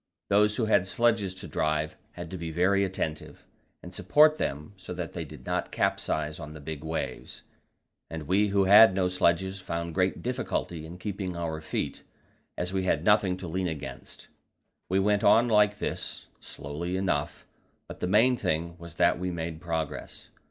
Those who had sledges to drive had to be very attentive, and support them so that they did not capsize on the big waves, and we who had no sledges found great difficulty in keeping our feet, as we had nothing to lean against. We went on like this, slowly enough, but the main thing was that we made progress.